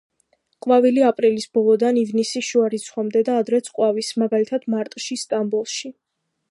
ყვავილი აპრილის ბოლოდან ივნისის შუა რიცხვამდე და ადრეც ყვავის, მაგალითად, მარტში სტამბოლში.